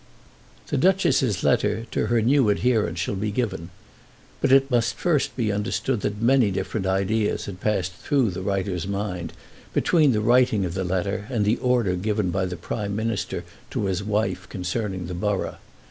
The Duchess's letter to her new adherent shall be given, but it must first be understood that many different ideas had passed through the writer's mind between the writing of the letter and the order given by the Prime Minister to his wife concerning the borough.